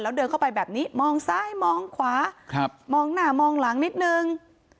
แล้วเดินเข้าไปแบบนี้มองซ้ายมองขวามองหน้ามองหลังนิดนึง